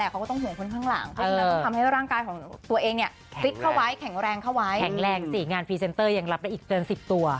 ก็บริษัทประกันก็โกรธแล้ว